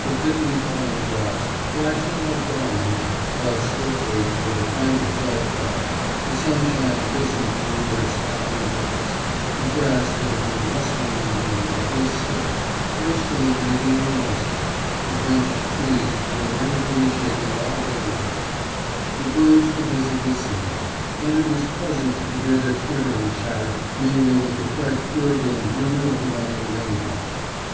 The thickly falling drops, flashing like diamonds, fell swiftly with a kind of dull thud; the sunshine glistened through their sparkling drops; the grass, that had been rustling in the wind, was still, thirstily drinking in the moisture; the drenched trees were languidly shaking all their leaves; the birds were busily singing, and it was pleasant to hear their twittering chatter mingling with the fresh gurgle and murmur of the running rain water.